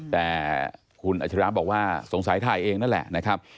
แต่คุณอัจฉริยะบอกว่าสงสัยถ่ายเองนั่นแหละนะครับ